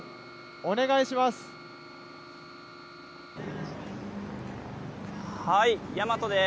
お願いします。